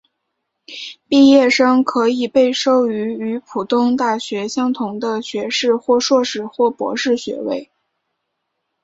毕业学生可以被授予与普通大学相同的学士或硕士或博士学位。